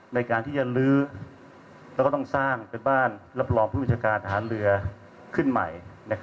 ในการที่จะลื้อแล้วก็ต้องสร้างเป็นบ้านรับรองผู้บัญชาการทหารเรือขึ้นใหม่